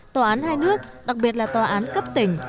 tòa án hai nước đặc biệt là tòa án cấp tỉnh